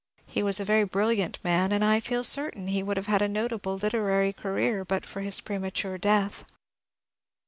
He was a very brilliant man, and I feel certain that he would have had a notable lit erary career but for his premature death.